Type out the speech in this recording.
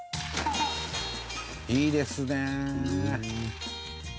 「いいですね！」